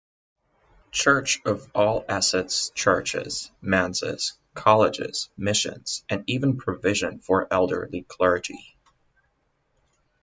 Church of all assets-churches, manses, colleges, missions, and even provision for elderly clergy.